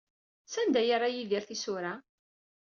Sanda ay yerra Yidir tisura?